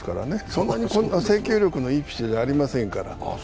そんなに制球力のいいピッチャーじゃありませんから。